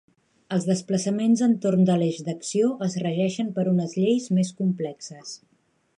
Els desplaçaments entorn de l'eix d'acció es regeixen per unes lleis més complexes.